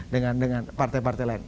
dengan partai partai lain